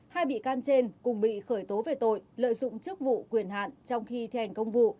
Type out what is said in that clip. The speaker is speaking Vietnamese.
hai bị can trên cùng bị khởi tố về tội lợi dụng chức vụ quyền hạn trong khi thi hành công vụ